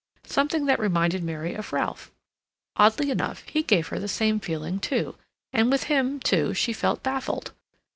—something that reminded Mary of Ralph. Oddly enough, he gave her the same feeling, too, and with him, too, she felt baffled.